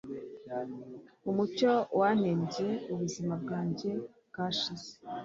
umucyo watembye ubuzima bwanjye bwashize